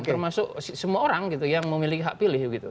termasuk semua orang gitu yang memiliki hak pilih gitu